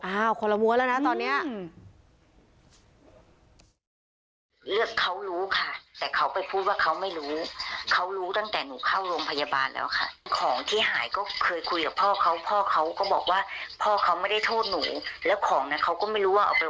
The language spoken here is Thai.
อ้าวคนละวัวแล้วนะตอนนี้